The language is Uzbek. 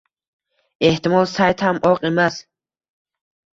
Ehtimol, sayt ham oq emas